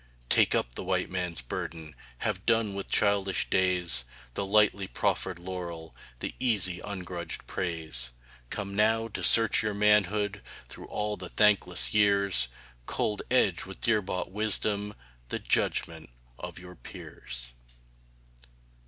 Take up the White Man's burden Have done with childish days The lightly proffered laurel The easy, ungrudged praise. Comes now, to search your manhood Through all the thankless years, Cold, edged with dear bought wisdom, The judgment of your peers!